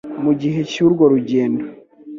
Mu gihe cy'urwo rugendo